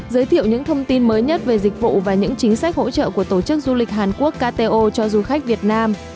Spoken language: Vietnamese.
giới thiệu những thông tin mới nhất về dịch vụ và những chính sách hỗ trợ của tổ chức du lịch hàn quốc kto cho du khách việt nam